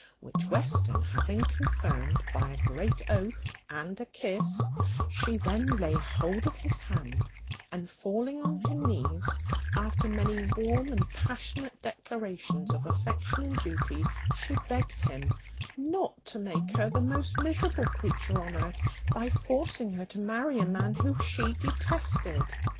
which Western having confirmed by a great oath, and a kiss; she then laid hold of his hand, and, falling on her knees, after many warm and passionate declarations of affection and duty, she begged him "not to make her the most miserable creature on earth by forcing her to marry a man whom she detested.